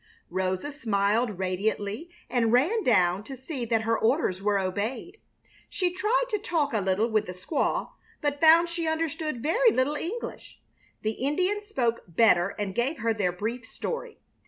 Rosa smiled radiantly and ran down to see that her orders were obeyed. She tried to talk a little with the squaw, but found she understood very little English. The Indian spoke better and gave her their brief story.